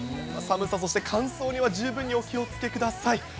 寒さ、そして乾燥には十分にお気をつけください。